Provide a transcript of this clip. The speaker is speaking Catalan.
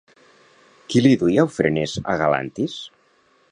Qui li duia ofrenes a Galantis?